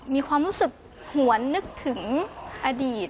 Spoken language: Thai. มีความรู้สึกหวนนึกถึงอดีต